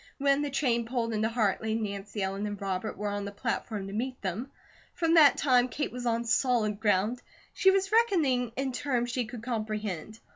When the train pulled into Hartley, Nancy Ellen and Robert were on the platform to meet them. From that time, Kate was on solid ground. She was reckoning in terms she could comprehend.